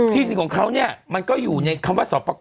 ที่ดินของเขาเนี่ยมันก็อยู่ในคำว่าสอบประกอบ